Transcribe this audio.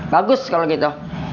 bagus kalau gitu